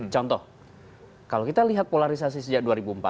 contoh kalau kita lihat polarisasi sejak dua ribu empat belas